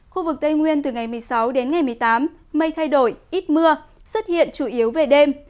khu vực tây nguyên từ ngày một mươi sáu đến ngày một mươi tám mây thay đổi ít mưa xuất hiện chủ yếu về đêm